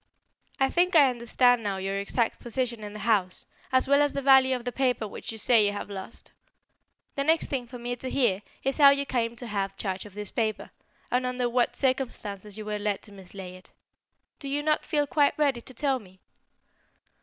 "I think I understand now your exact position in the house, as well as the value of the paper which you say you have lost. The next thing for me to hear is how you came to have charge of this paper, and under what circumstances you were led to mislay it. Do you not feel quite ready to tell me?"